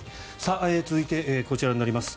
続いて、こちらになります。